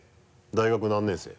大学何年生？